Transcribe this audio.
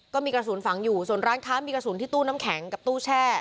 ก็มีกระสุนฝังอยู่ส่วนร้านค้ามีกระสุนที่ตู้น้ำแข็งกับตู้แช่